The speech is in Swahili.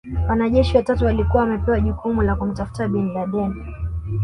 Wanajeshi watatu walikuwa wamepewa jukumu la kumtafuta Bin Laden